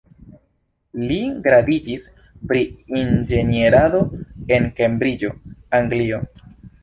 Li gradiĝis pri Inĝenierado en Kembriĝo, Anglio.